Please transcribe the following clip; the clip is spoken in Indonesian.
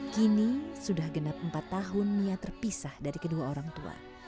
kini sudah genap empat tahun nia terpisah dari kedua orang tua